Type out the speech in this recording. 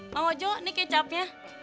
mau jok ini kecapnya